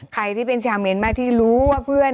ใครที่เป็นชาวเมียนมาที่รู้ว่าเพื่อน